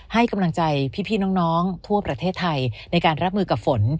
ให้กำลังใจพี่น้องทั่วประเทศไทยในการรับมือกับฝน